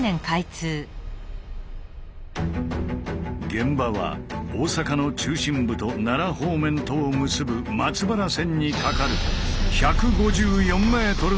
現場は大阪の中心部と奈良方面とを結ぶ松原線にかかる１５４ｍの区間。